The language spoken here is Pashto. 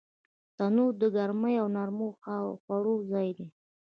تنور د ګرمۍ او نرمو خوړو ځای دی